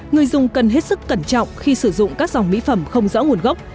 người dùng cần hết sức cẩn trọng khi sử dụng các dòng mỹ phẩm không rõ nguồn gốc